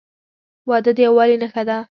• واده د یووالي نښه ده.